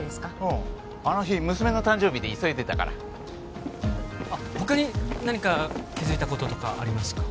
うんあの日娘の誕生日で急いでたからあっ他に何か気づいたこととかありますか？